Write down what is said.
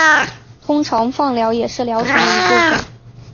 通常放疗也是疗程的一部分。